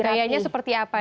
kayanya seperti apa nih